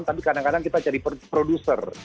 tapi kadang kadang kita jadi produser